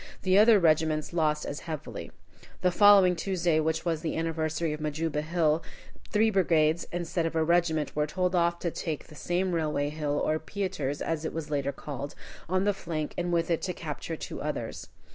The other regiments lost as heavily. The following Tuesday, which was the anniversary of Majuba Hill, three brigades, instead of a regiment, were told off to take this same Railway Hill, or Pieter's, as it was later called, on the flank, and with it to capture two others.